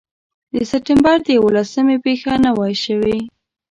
د سپټمبر د یوولسمې پېښه نه وای شوې.